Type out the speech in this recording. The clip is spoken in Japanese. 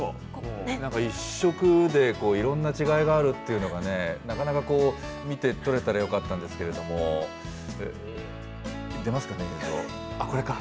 なんか１色でいろんな違いがあるっていうのがね、なかなかこう、見て取れたらよかったんですけれども、出ますかね、映像。